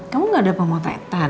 kamu gak ada apa mau tahan